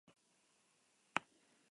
Esto manda y enseña.